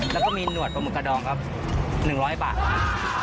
แล้วก็มีหนวดปลาหมึกกระดองครับ๑๐๐บาทครับ